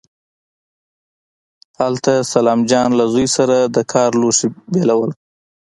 هلته سلام جان له زوی سره د کار لوښي بېلول.